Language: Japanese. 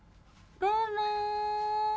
どうも。